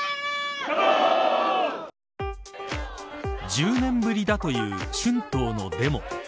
１０年ぶりだという春闘のデモ。